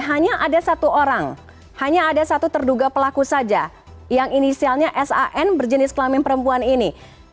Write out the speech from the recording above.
hanya ada satu orang hanya ada satu terduga pelaku saja yang inisialnya san berjenis kelamin perempuan ini